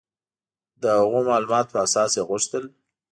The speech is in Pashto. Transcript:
د هغو معلوماتو په اساس یې غوښتل.